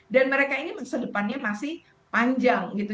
dan mereka ini sedepannya masih panjang gitu